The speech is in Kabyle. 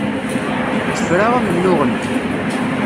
Tefra amennuɣ-nni.